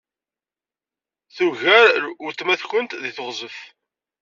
Tugar weltma-twent deg teɣzef.